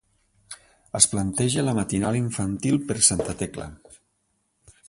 Es planteja la matinal infantil per a Santa Tecla.